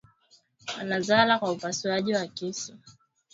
Anazala kwa upasuaji wa kisu